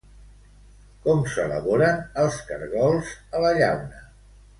Com s'elaboren els caragols a la llauna?